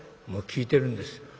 「もう聞いてるんです。